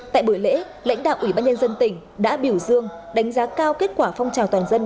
tại buổi lễ lãnh đạo ủy ban nhân dân tỉnh đã biểu dương đánh giá cao kết quả phong trào toàn dân